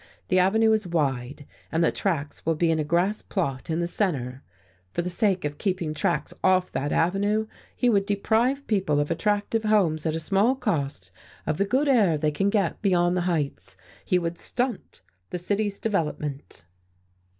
The avenue is wide, and the tracks will be in a grass plot in the centre. For the sake of keeping tracks off that avenue he would deprive people of attractive homes at a small cost, of the good air they can get beyond the heights; he would stunt the city's development."